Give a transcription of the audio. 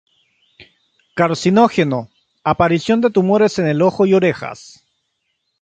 Carcinógeno, aparición de tumores en ojos y orejas.